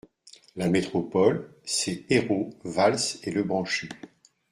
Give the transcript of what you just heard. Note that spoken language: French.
La métropole, c’est Ayrault, Valls et Lebranchu.